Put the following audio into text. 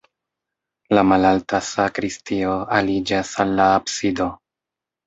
La malalta sakristio aliĝas al la absido.